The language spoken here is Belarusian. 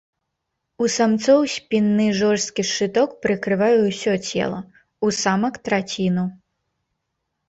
У самцоў спінны жорсткі шчыток прыкрывае ўсё цела, у самак траціну.